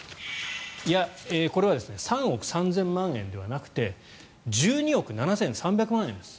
いや、これは３億３０００万円ではなくて１２億７３００万円です